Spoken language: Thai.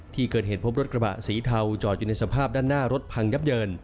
ที่เกิดเหตุพบรถกระบะสีเทาจอดอยู่ในสภาพด้านหน้ารถพังยับเยิน